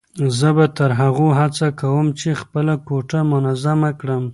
زه به تر هغو هڅه کوم چې خپله کوټه منظمه کړم.